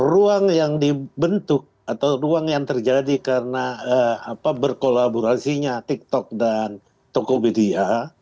ruang yang dibentuk atau ruang yang terjadi karena berkolaborasinya tiktok dan tokopedia